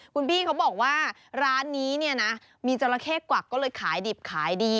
คุณพี่เขาบอกว่าร้านนี้เนี่ยนะมีจราเข้กวักก็เลยขายดิบขายดี